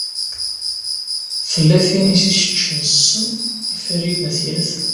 Tella tin i s-iseččen ssem i Farid n At Yiraten.